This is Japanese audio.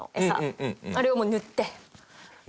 あれをもう塗って。